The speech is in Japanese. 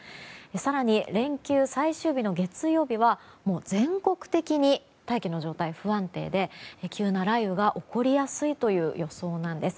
更に連休最終日の月曜日は全国的に大気の状態が不安定で急な雷雨が起こりやすいという予想なんです。